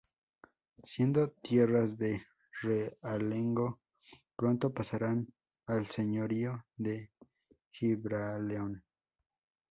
Siendo tierras de realengo, pronto pasarán al señorío de Gibraleón.